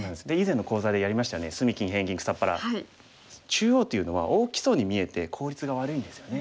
中央というのは大きそうに見えて効率が悪いんですよね。